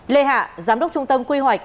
lê hạ giám đốc trung tâm quy hoạch